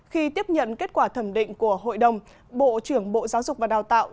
khi tiếp nhận kết quả thẩm định của hội đồng bộ trưởng bộ giáo dục và đào tạo